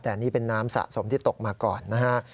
แต่นี่เป็นน้ำสะสมที่ตกมาก่อนนะฮะ